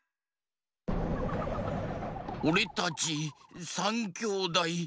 おれたち３きょうだい。